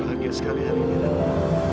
kau lagi sekali hari ini